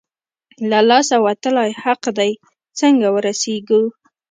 له لاسه وتلی حق دی، څنګه ورسېږو؟